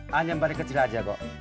hanya bari kecil aja kok